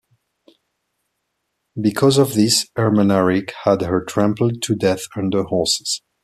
Because of this Ermanaric had her trampled to death under horses.